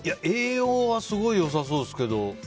栄養はすごい良さそうですけど。